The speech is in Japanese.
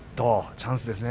チャンスですね